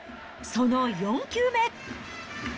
その４球目。